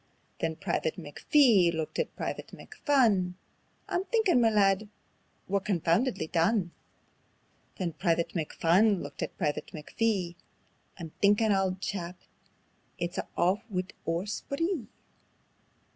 Then Private McPhee looked at Private McPhun: "I'm thinkin', ma lad, we're confoundedly done." Then Private McPhun looked at Private McPhee: "I'm thinkin' auld chap, it's a' aff wi' oor spree."